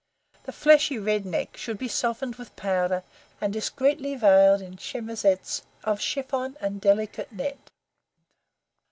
The fleshy, red neck should be softened with powder and discreetly veiled in chemisettes of chiffon and delicate net.